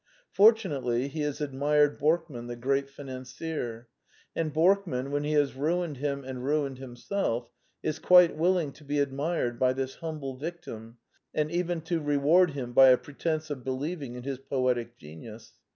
Fortunately he has admired Borkman, the great financier; and Bork man, when he has ruined him and ruined himself, is quite willing to be admired by this humble vic tim, and even to reward him by a pretence of be lieving in his poetic genius.